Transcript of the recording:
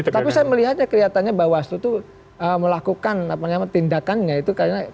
tapi saya melihatnya kelihatannya bawaslu itu melakukan tindakannya itu karena